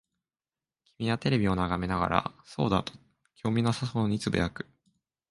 君はテレビを眺めながら、そうだ、と興味なさそうに呟く。